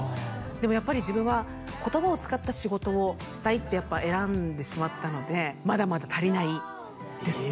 でもやっぱり自分は言葉を使った仕事をしたいってやっぱ選んでしまったのでまだまだ足りないですね